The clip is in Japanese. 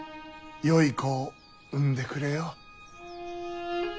よい子を産んでくれよ。